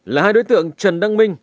là hai đối tượng trần đăng minh